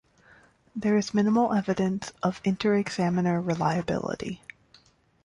There is minimal evidence of interexaminer reliability.